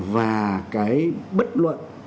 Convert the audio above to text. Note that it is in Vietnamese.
và cái bất luận